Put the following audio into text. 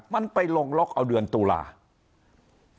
มันไปลงล็อกเอาเดือนตุลาคม